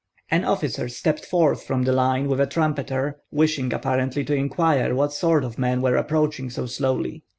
An officer stepped forth from the line with a trumpeter, wishing apparently to inquire what sort of men were approaching so slowly.